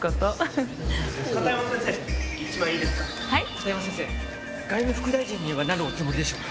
片山先生外務副大臣にはなるおつもりでしょうか？